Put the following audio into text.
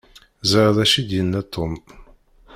Ẓriɣ d acu i d-yenna Tom.